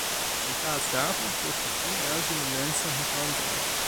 In plaats daarvan vluchtten tienduizenden mensen het land uit.